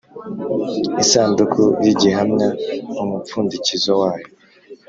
isanduku y Igihamya umupfundikizo wayo